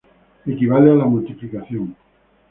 Equivale a la multiplicación.